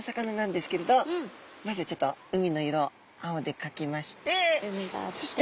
まずはちょっと海の色を青で描きまして。